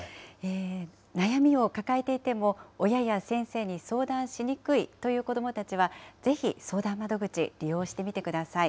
悩みを抱えていても、親や先生に相談しにくいという子どもたちは、ぜひ相談窓口、利用してみてください。